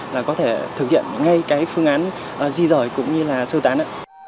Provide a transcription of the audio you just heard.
là có thể thực hiện ngay cái phương án di rời cũng như là sơ tán